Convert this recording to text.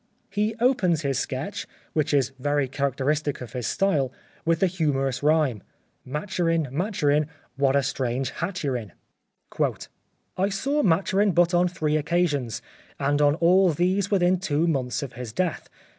'" He opens his sketch, which is very character istic of his style, with the humorous rhyme :—"' Maturin, Maturin, what a strange hat you're in ?' 42 The Life of Oscar Wilde "' I saw Maturin but on three occasions, and on all these within two months of his death.